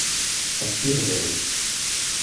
À tire d’aile.